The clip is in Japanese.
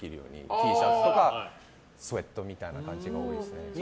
Ｔシャツとかスウェットみたいな感じが多いです。